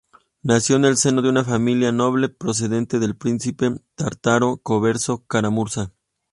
Nació en el seno de una familia noble, procedente del príncipe tártaro converso Kará-Murzá.